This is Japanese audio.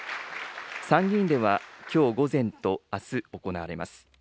参議院ではきょう午前とあす、行われます。